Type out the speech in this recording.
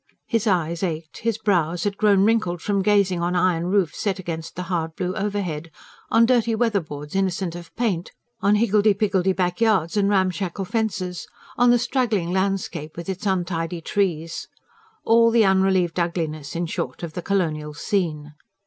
His eyes ached, his brows had grown wrinkled from gazing on iron roofs set against the hard blue overhead; on dirty weatherboards innocent of paint; on higgledy piggledy backyards and ramshackle fences; on the straggling landscape with its untidy trees all the unrelieved ugliness, in short, of the colonial scene.